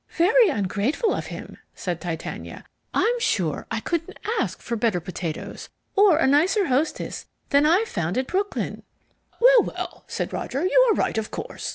"Very ungrateful of him," said Titania. "I'm sure I couldn't ask for better potatoes, or a nicer hostess, than I've found in Brooklyn." "Well, well," said Roger. "You are right, of course.